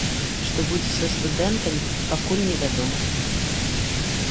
Што будзе са студэнтамі, пакуль не вядома.